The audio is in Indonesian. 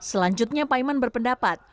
selanjutnya paiman berpendapat